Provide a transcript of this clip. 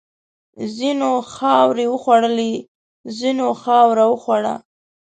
ځینو خاورې وخوړلې، ځینو خاوره وخوړه.